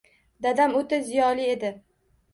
Dadam o‘ta ziyoli edi.